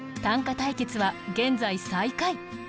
短歌対決は現在最下位。